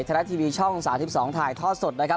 รัฐทีวีช่อง๓๒ถ่ายทอดสดนะครับ